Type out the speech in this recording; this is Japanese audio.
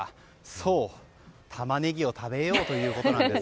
そう、タマネギを食べようということなんです。